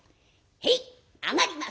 「へい上がります！」。